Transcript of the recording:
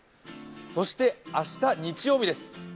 そして明日日曜日です。